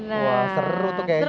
wah seru tuh kayaknya